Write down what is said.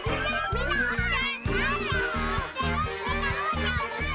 みんなおして！